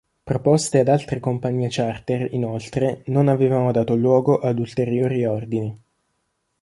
Proposte ad altre compagnie charter, inoltre, non avevano dato luogo ad ulteriori ordini.